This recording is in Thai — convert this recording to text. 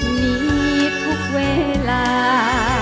มีทุกเวลา